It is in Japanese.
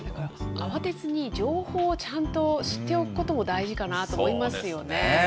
慌てずに、情報をちゃんと知っておくことも大事かなと思いますよね。